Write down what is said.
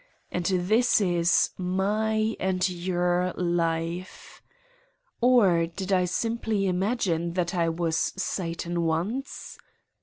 And this is my and your life. Or did I simply imagine that I was Satan once